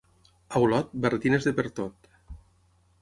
A Olot, barretines de pertot.